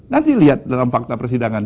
nanti lihat dalam fakta persidangan